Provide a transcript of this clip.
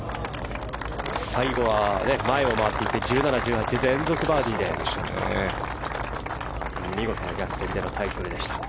最後は、前を回って１７、１８連続バーディーで見事な逆転でのタイトルでした。